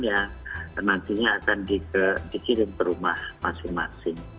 yang nantinya akan dikirim ke rumah masing masing